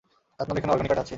আপনার এখানে অর্গানিক আটা আছে?